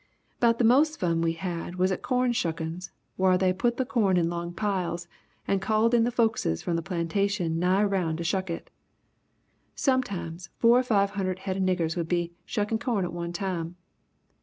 "'Bout the most fun we had was at corn shuckin's whar they put the corn in long piles and called in the folkses from the plantations nigh round to shuck it. Sometimes four or five hunnert head of niggers 'ud be shuckin' corn at one time.